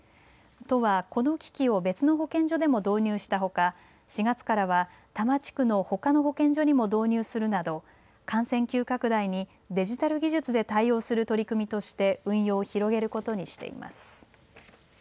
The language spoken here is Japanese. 都はこの機器を別の保健所でも導入したほか４月からは多摩地区のほかの保健所にも導入するなど感染急拡大にデジタル技術で対応する取り組みとして運用を広げることにしています。